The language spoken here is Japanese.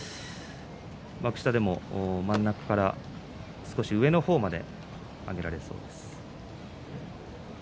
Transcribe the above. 幕下でも真ん中か少し上の方まで番付を上げられそうです。